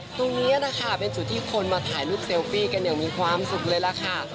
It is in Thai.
ตรงนี้นะคะเป็นจุดที่คนมาถ่ายรูปเซลฟี่กันอย่างมีความสุขเลยล่ะค่ะ